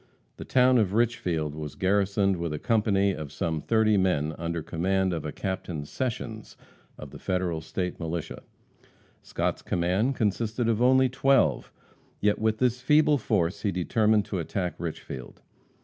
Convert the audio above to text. The town of Richfield was garrisoned by a company of some thirty men under command of a Captain Sessions, of the Federal State militia. Scott's command consisted of only twelve. Yet with this feeble force he determined to attack Richfield.